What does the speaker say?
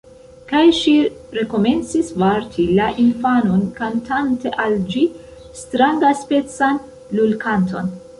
Kaj ŝi rekomencis varti la infanon, kantante al ĝi strangaspecan lulkanton